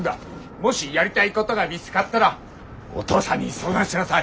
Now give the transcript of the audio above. もしやりたいことが見つかったらお父さんに相談しなさい。